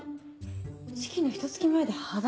式のひと月前で破談？